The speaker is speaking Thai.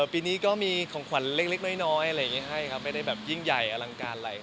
อเรนนี่คือเขาอยากได้หรือว่าเราตั้งใจซื้อให้